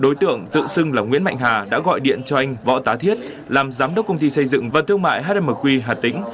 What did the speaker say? đối tượng tự xưng là nguyễn mạnh hà đã gọi điện cho anh võ tá thiết làm giám đốc công ty xây dựng và thương mại hmq hà tĩnh